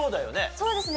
そうですね。